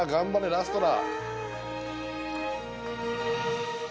ラストだ。